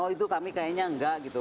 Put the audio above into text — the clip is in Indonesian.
oh itu kami kayaknya enggak gitu